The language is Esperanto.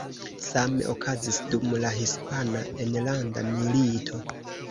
Same okazis dum la Hispana Enlanda Milito.